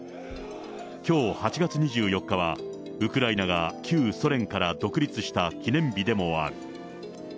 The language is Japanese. きょう８月２４日は、ウクライナが旧ソ連から独立した記念日でもある。